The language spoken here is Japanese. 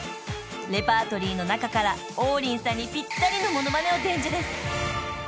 ［レパートリーの中から王林さんにぴったりのモノマネを伝授です］